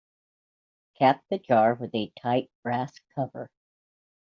Cap the jar with a tight brass cover.